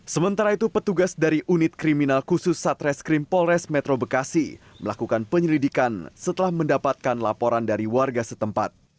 sementara itu petugas dari unit kriminal khusus satreskrim polres metro bekasi melakukan penyelidikan setelah mendapatkan laporan dari warga setempat